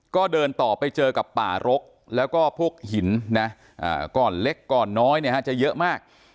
ก็เดินต่อไปเจอกับป่ารกแล้วก็พวกหินนะก่อนเล็กก่อนน้อยจะเยอะมาก